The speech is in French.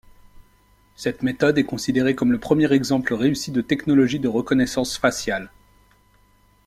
Cette méthode est considérée comme le premier exemple réussi de technologie de reconnaissance faciale.